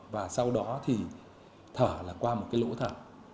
và sau đó thì thở là qua một cái lỗ thở